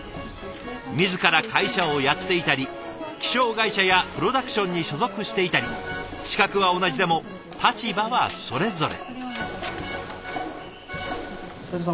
自ら会社をやっていたり気象会社やプロダクションに所属していたり資格は同じでも立場はそれぞれ。